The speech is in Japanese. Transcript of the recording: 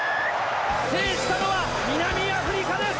制したのは南アフリカです！